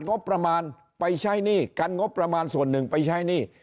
งบประมาณไปใช้หนี้กันงบประมาณส่วนหนึ่งไปใช้หนี้